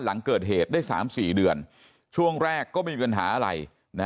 หลังเกิดเหตุได้๓๔เดือนช่วงแรกก็ไม่มีปัญหาอะไร